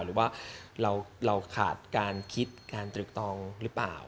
หรือว่าเราขาดการคิดการตรึกตองหรือเปล่า